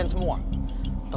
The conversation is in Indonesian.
oh eh surti